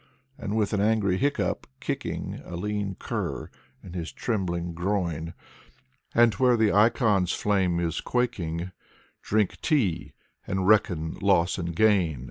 And with an angry hiccup, kicking A lean cur in his trembling groin; And where the icon's flame is quaking Drink tea, and reckon loss and gain.